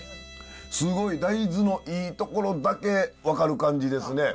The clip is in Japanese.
すごい大豆のいいところだけ分かる感じですね。